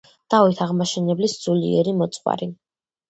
დავით აღმაშენებლის სულიერი მოძღვარი.